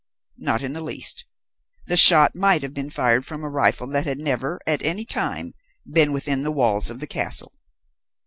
Not in the least. The shot might have been fired from a rifle that had never, at any time, been within the walls of the castle.